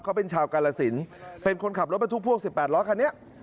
เขาเป็นชาวกาลสินเป็นคนขับรถบรรทุกพ่วง๑๘ล้อคันนี้